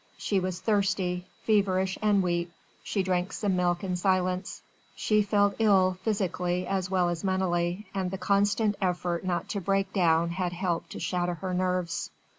She was thirsty, feverish and weak: she drank some milk in silence. She felt ill physically as well as mentally, and the constant effort not to break down had helped to shatter her nerves.